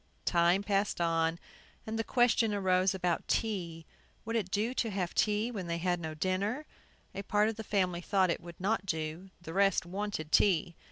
Time passed on, and the question arose about tea. Would it do to have tea when they had had no dinner? A part of the family thought it would not do; the rest wanted tea.